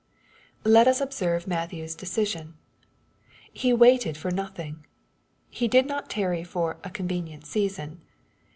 Let us observe Matthew's deciaion. He waited foi nothing. He did not tarry for " a convenient season."